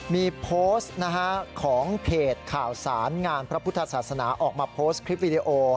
มีโพสต์ของเพจข่าวสารงานพระพุทธศาสนาออกมาโพสต์คลิปวิดีโอ